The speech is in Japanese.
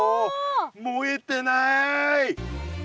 燃えてない！